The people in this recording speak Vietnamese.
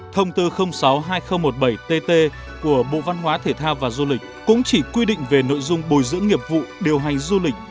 thông tư sáu hai nghìn một mươi bảy tt của bộ văn hóa thể thao và du lịch cũng chỉ quy định về nội dung bồi dưỡng nghiệp vụ điều hành du lịch